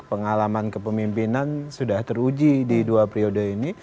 pengalaman kepemimpinan sudah teruji di dua periode ini